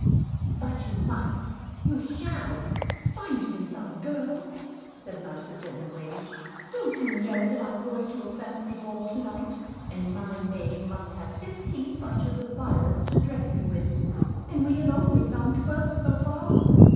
"But you must, you shall, find me some, girl," said Narcissa, in a rage. "Don't you know that I'm going to a fancy ball to night, and my maid must have fifteen bunches of violets to dress me with, and we have only found twelve so far?